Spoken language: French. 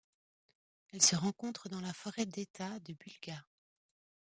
Elle se rencontre dans la forêt d'État de Bulga.